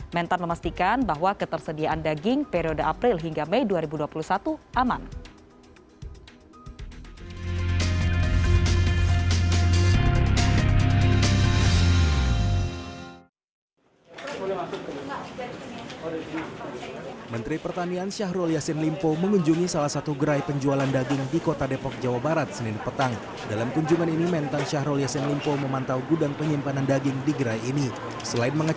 mentan memastikan bahwa ketersediaan daging periode april hingga mei dua ribu dua puluh satu aman